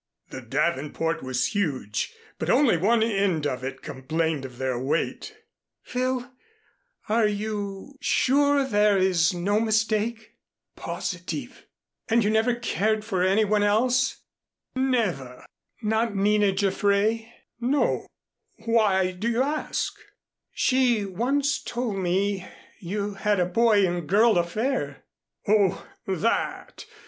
The davenport was huge, but only one end of it complained of their weight. "Phil, are you sure there is no mistake?" "Positive." "And you never cared for any one else?" [Illustration: "'And you never cared for any one else?'"] "Never." "Not Nina Jaffray?" "No, why do you ask?" "She once told me you had a boy and girl affair." "Oh, that!